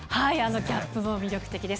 ギャップも魅力的です。